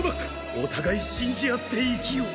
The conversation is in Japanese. おたがい信じ合って生きよう！